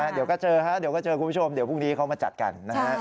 เดี๋ยวก็เจอฮะเดี๋ยวก็เจอคุณผู้ชมเดี๋ยวพรุ่งนี้เขามาจัดกันนะฮะ